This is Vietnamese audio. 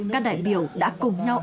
các đại biểu đã cùng nhau